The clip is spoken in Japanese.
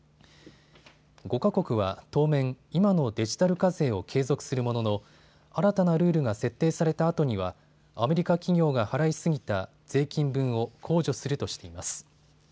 ５か国は当面、今のデジタル課税を継続するものの新たなルールが設定されたあとにはアメリカ企業が払いすぎた税金分を控除するとしています。